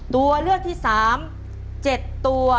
ตัวเลือกที่๓๗ตัว